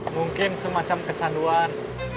mungkin semacam kecanduan